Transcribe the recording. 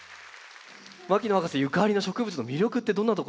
牧野博士ゆかりの植物の魅力ってどんなところにあると思いますか？